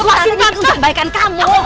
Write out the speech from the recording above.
ikut tante ini untuk kebaikan kamu